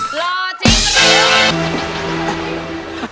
หล่อจริง